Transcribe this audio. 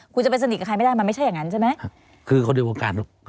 คุณจะไปสนิทกับใครไม่ได้มันไม่ใช่อย่างนั้นใช่ไหมคือคนในวงการลูก